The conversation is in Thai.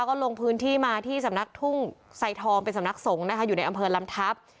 ก็ลงพื้นที่มาที่สำนักทุ่งไซทองเป็นสำนักสงฆ์นะคะอยู่ในอำเภอลำทัพ